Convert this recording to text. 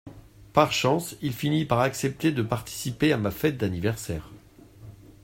Par chance, il finit par accepter de participer à ma fête d’anniversaire.